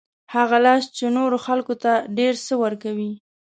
هغه لاس چې نورو خلکو ته ډېر څه ورکوي.